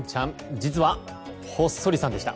実は、ほっそりさんでした。